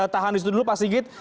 tahan disitu dulu pak singgit